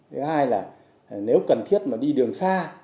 thứ hai là nếu cần thiết mà đi đường xa